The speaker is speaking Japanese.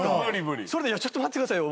それで「ちょっと待ってくださいよ」